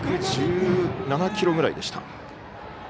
１１７キロくらいでした。